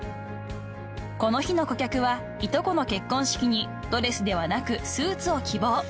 ［この日の顧客はいとこの結婚式にドレスではなくスーツを希望］